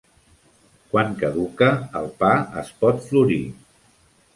Quan caduca, el pa es pot florir.